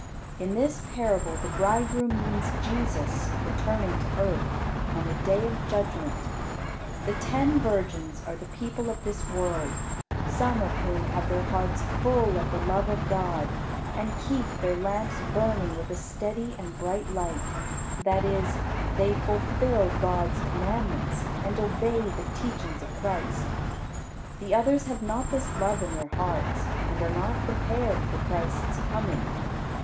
In this parable the bridegroom means Jesus returning to earth, on the Day of Judgment. The ten virgins are the people of this world, some of whom have their hearts full of the love of God and keep their lamps burning with a steady and bright light; that is, they fulfil God's commandments and obey the teachings of Christ. The others have not this love in their hearts, and are not prepared for Christ's coming.